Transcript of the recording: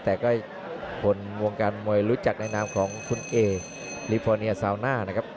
แต่ก็คนวงการมวยรู้จักในนามของคุณเอลิฟอร์เนียซาวน่านะครับ